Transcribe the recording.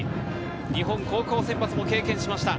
日本高校選抜も経験しました。